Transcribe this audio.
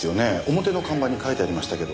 表の看板に書いてありましたけど。